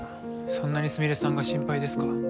そんなにスミレさんが心配ですか？